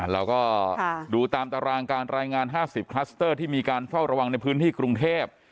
เราก็ดูตามตารางการรายงาน๕๐คลัสเตอร์ที่มีการเฝ้าระวังในพื้นที่กรุงเทพ